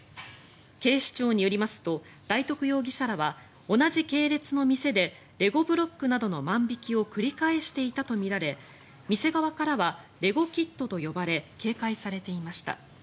警視庁によりますと大徳容疑者らは同じ系列の店でレゴブロックなどの万引きを繰り返していたとみられ店側からはレゴキッドと呼ばれ警戒されていました。